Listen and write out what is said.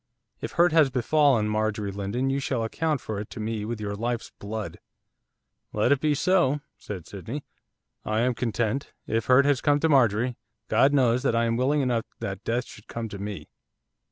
If hurt has befallen Marjorie Lindon you shall account for it to me with your life's blood.' 'Let it be so,' said Sydney. 'I am content. If hurt has come to Marjorie, God knows that I am willing enough that death should come to me.